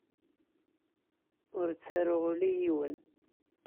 Ur ttaruɣ ula i yiwen.